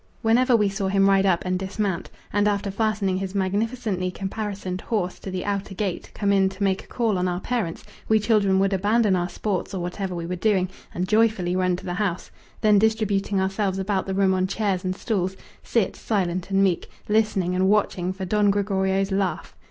Whenever we saw him ride up and dismount, and after fastening his magnificently caparisoned horse to the outer gate come in to make a call on our parents, we children would abandon our sports or whatever we were doing and joyfully run to the house; then distributing ourselves about the room on chairs and stools, sit, silent and meek, listening and watching for Don Gregorio's laugh.